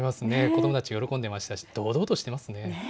子どもたち、喜んでましたし、堂々としてますね。